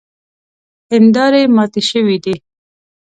هیندارې ماتې شوې دي.